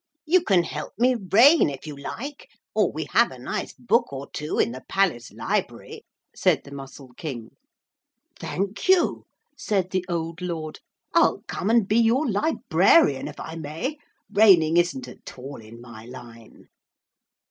'You can help me reign if you like, or we have a nice book or two in the palace library,' said the Mussel King. 'Thank you,' said the old lord, 'I'll come and be your librarian if I may. Reigning isn't at all in my line.'